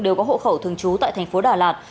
đều có hộ khẩu thường trú tại tp đà lạt